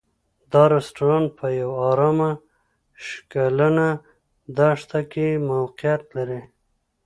دا رسټورانټ په یوه ارامه شګلنه دښته کې موقعیت لري.